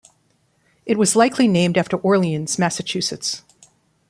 It was likely named after Orleans, Massachusetts.